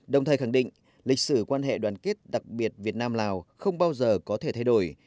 đồng thời khẳng định lịch sử quan hệ đoàn kết đặc biệt việt nam lào không bao giờ có thể thay đổi